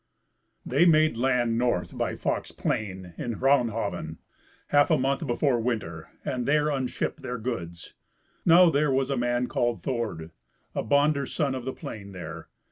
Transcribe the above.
They made land north by Fox Plain, in Hraunhaven, half a month before winter, and there unshipped their goods. Now there was a man called Thord, a bonder's son of the Plain, there.